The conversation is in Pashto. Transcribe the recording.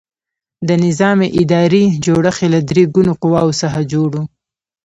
د نظام اداري جوړښت یې له درې ګونو قواوو څخه جوړ و.